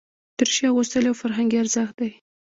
دریشي اغوستل یو فرهنګي ارزښت دی.